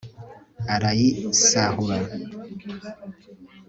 arayisahura